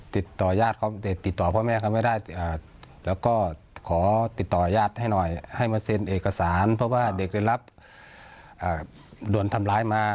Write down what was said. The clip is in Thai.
ติดต่อพ่อแม่เขาไม่ได้แล้วก็ขอติดต่อยาดให้หน่อยให้มาเซ็นเอกสารเพราะว่าเด็กเรียนรับโดนทำร้ายมา